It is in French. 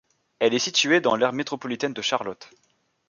Elle est située dans l'aire métropolitaine de Charlotte.